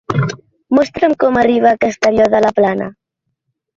Mostra'm com arribar a Castelló de la Plana.